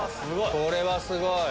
これはすごい！